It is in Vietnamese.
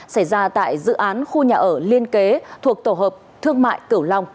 xảy ra tại dự án khu nhà ở liên kế thuộc tổ hợp thương mại cửu long